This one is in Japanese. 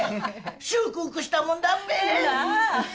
祝福したもんだっぺ。